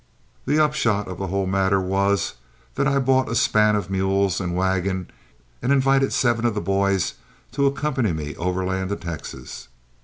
The upshot of the whole matter was that I bought a span of mules and wagon and invited seven of the boys to accompany me overland to Texas.